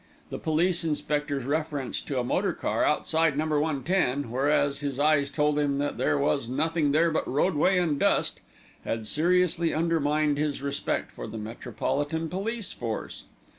The police inspector's reference to a motor car outside Number 110, whereas his eyes told him that there was nothing there but roadway and dust, had seriously undermined his respect for the Metropolitan Police Force.